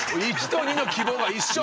１と２の希望が一緒。